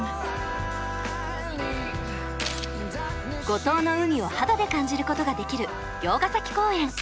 五島の海を肌で感じることができる魚津ヶ崎公園。